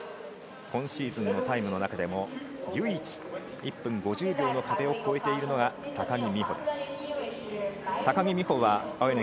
今シーズンのタイムの中でも唯一１分５０秒の壁を越えているのが高木美帆です。